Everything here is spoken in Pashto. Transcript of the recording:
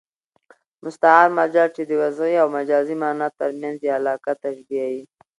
مستعار مجاز، چي د وضعي او مجازي مانا تر منځ ئې علاقه تشبېه يي.